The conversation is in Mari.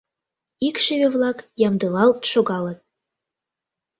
Икшыве-влак ямдылалт шогалыт.